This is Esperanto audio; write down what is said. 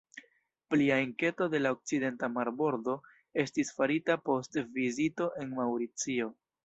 Plia enketo de la okcidenta marbordo estis farita post vizito en Maŭricio.